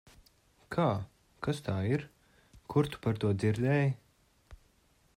Kā? Kas tā ir? Kur tu par to dzirdēji?